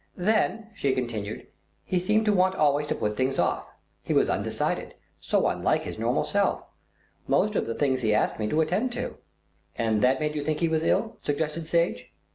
"Then," she continued, "he seemed to want always to put things off. He was undecided; so unlike his normal self. Most of the things he asked me to attend to." "And that made you think he was ill," suggested Sage.